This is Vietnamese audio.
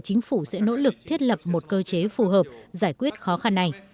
chính phủ sẽ nỗ lực thiết lập một cơ chế phù hợp giải quyết khó khăn này